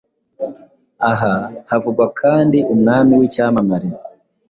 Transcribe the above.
Aha havugwa kandi Umwami w’icyamamare